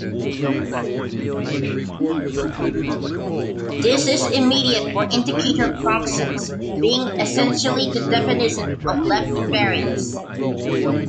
This is immediate for indicator functions, being essentially the definition of left invariance.